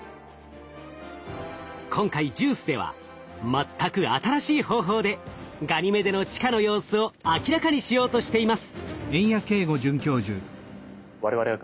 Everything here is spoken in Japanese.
今回ＪＵＩＣＥでは全く新しい方法でガニメデの地下の様子を明らかにしようとしています。